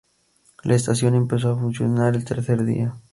La estación empezó a funcionar el tercer día.